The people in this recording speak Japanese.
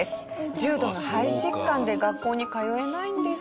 重度の肺疾患で学校に通えないんです。